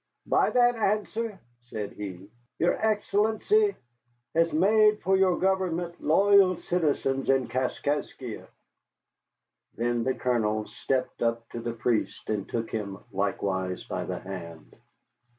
"By that answer," said he, "your Excellency has made for your government loyal citizens in Kaskaskia." Then the Colonel stepped up to the priest and took him likewise by the hand.